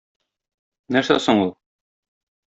Нәрсә соң ул?